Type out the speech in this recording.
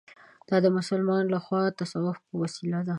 دا د مسلمانانو له خوا د تصوف په وسیله ده.